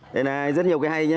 đây này rất nhiều cái hay nhé